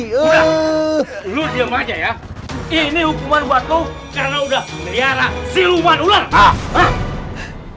ini hukuman buat lo karena udah mengeriara siluman ular